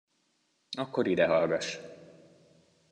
Akkor ide hallgass.